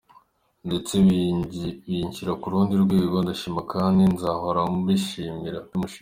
Ndetse binshyira ku rundi rwego ndashima kandi nzahora mbimushimira.